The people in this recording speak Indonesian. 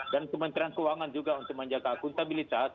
dan kementerian keuangan juga untuk menjaga akuntabilitas